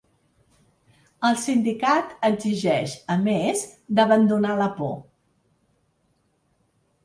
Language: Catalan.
El sindicat exigeix, a més, d’abandonar la por.